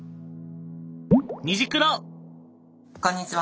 こんにちは！